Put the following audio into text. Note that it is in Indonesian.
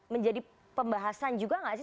menjadi pembahasan juga nggak sih